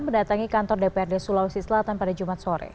mendatangi kantor dprd sulawesi selatan pada jumat sore